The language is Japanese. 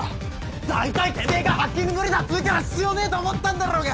大体てめぇがハッキング無理だっつうから必要ねえと思ったんだろうが！